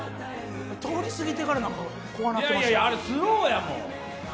通り過ぎてから、こうなってましたよ。